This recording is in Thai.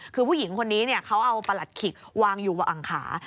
คือผู้หญิงคนนี้เนี่ยเขาเอาประหลัดขิกวางอยู่อ่างขา